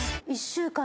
１週間？